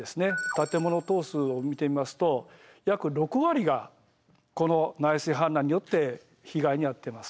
建物棟数を見てみますと約６割がこの内水氾濫によって被害に遭ってます。